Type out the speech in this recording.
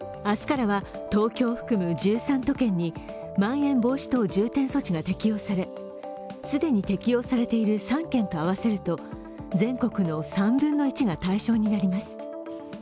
明日からは、東京を含む１３都県にまん延防止等重点措置が適用され、既に適用されている３県と合わせると全国の３分の１が対象になります。